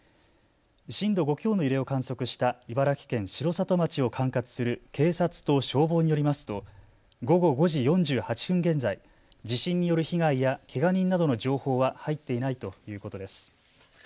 震度５強の揺れを観測した茨城県城里町を管轄する警察と消防によりますと午後５時４８分現在、地震による被害やけが人などの情報は入っていないということです。